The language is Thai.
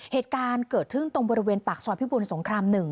เหตุการณ์เกิดขึ้นตรงบริเวณปากซอยพิบูลสงคราม๑